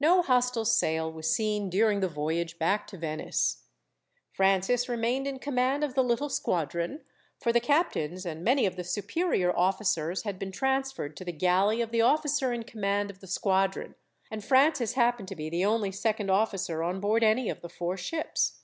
No hostile sail was seen during the voyage back to Venice. Francis remained in command of the little squadron, for the captains, and many of the superior officers, had been transferred to the galley of the officer in command of the squadron, and Francis happened to be the only second officer on board any of the four ships.